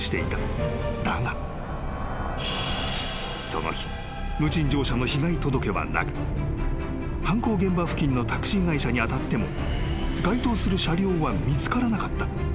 ［その日無賃乗車の被害届はなく犯行現場付近のタクシー会社に当たっても該当する車両は見つからなかった］